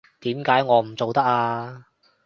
點解我唔做得啊？